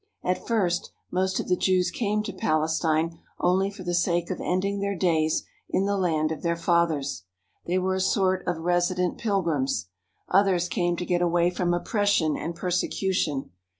At first most of the Jews came to Palestine only for the sake of ending their days in the land of their fathers. They were a sort of resident pilgrims. Others came to get away from oppression and persecution.